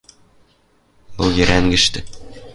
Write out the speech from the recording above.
Логерӓнгӹштӹ